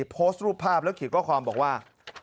โพสต์รูปภาพแล้วเขียนข้อความบอกว่า